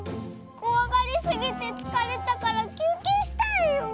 こわがりすぎてつかれたからきゅうけいしたいよ。